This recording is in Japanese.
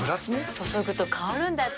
注ぐと香るんだって。